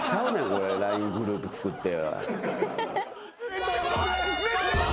これＬＩＮＥグループつくって。